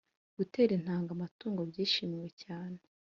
gutera intanga amatungo byishimiwe cyane